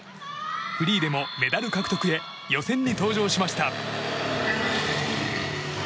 フリーでもメダル獲得へ予選に登場しました。